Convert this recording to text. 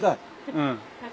うん。